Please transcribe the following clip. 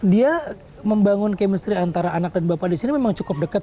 dia membangun chemistry antara anak dan bapak di sini memang cukup dekat